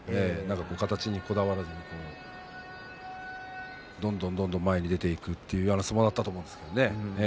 形にこだわらずにどんどんどんどん前に出ていくという相撲だったと思うんですね。